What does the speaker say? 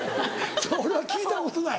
俺は聞いたことない。